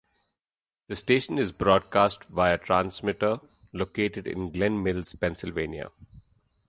The station is broadcast via a transmitter located in Glen Mills, Pennsylvania.